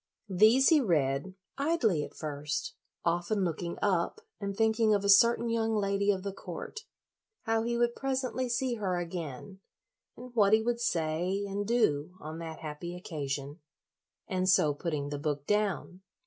These he read, idly at first, often looking up and thinking of a certain young lady of the court, how he would presently see her again, and what he would say and do on that happy occasion, and so putting the book down.